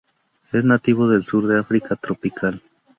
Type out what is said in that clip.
Es nativo del sur de África tropical.